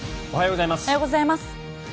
おはようございます。